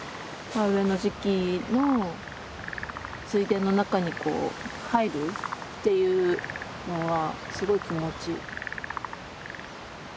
田植えの時期の水田の中に入るっていうのはすごい気持ちいい。